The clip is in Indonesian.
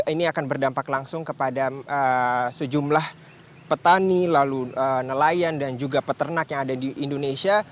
ini akan berdampak langsung kepada sejumlah petani lalu nelayan dan juga peternak yang ada di indonesia